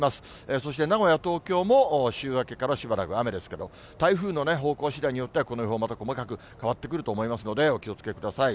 そして名古屋、東京も週明けからしばらく雨ですけど、台風の方向しだいによっては、この予報、また細かく変わってくると思いますので、お気をつけください。